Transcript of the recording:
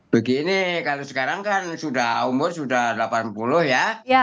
begini kalau sekarang kan sudah umur sudah delapan puluh ya